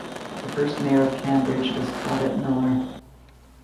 The first mayor of Cambridge was Claudette Millar.